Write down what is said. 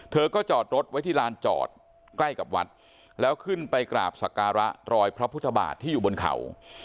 เธอก็จอดรถไว้ที่ลานจอดใกล้กับวัดแล้วขึ้นไปกราบสักการะรอยพระพุทธบาทที่อยู่บนเขา